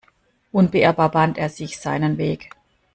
Unbeirrbar bahnt er sich seinen Weg.